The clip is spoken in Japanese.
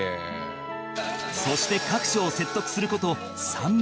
そして各所を説得する事３年